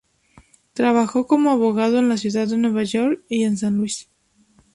Trabajó como abogado en la ciudad de Nueva York y en San Luis.